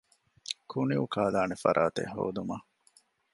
ކުނި އުކާލާނެ ފަރާތެއް ހޯދުމަށް